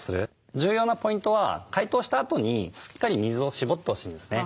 重要なポイントは解凍したあとにしっかり水をしぼってほしいんですね。